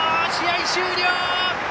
試合終了！